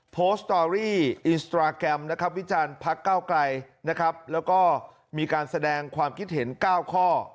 สตอรี่อินสตราแกรมนะครับวิจารณ์พักเก้าไกลนะครับแล้วก็มีการแสดงความคิดเห็น๙ข้อ